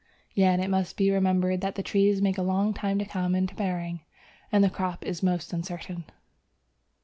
Yet it must be remembered that the trees take a long time to come into bearing, and the crop is most uncertain.